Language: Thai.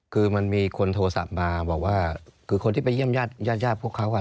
คือมันมีคนโทรศัพท์มาบอกว่าคือคนที่ไปเยี่ยมญาติญาติพวกเขา